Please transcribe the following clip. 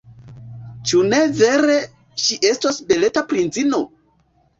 Ĉu ne vere, ŝi estos beleta princino?